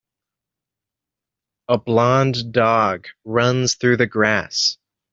A blond dog runs through the grass.